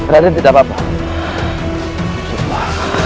raden tidak apa apa